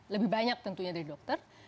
lebih banyak tentunya dari dokter